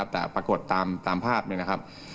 แต่ปรากฏตามภาพเลยนะครับ